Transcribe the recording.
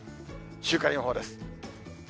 週間予報です。